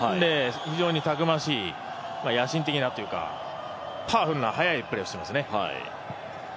非常にたくましい野心的なというかパワフルな速いプレーをしていますね。